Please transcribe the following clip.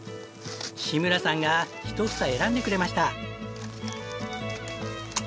志村さんが１房選んでくれました。